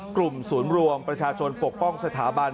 กลุ่มศูนย์รวมประชาชนปกป้องสถาบัน